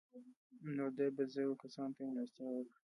نو ده به زرو کسانو ته مېلمستیا وکړه.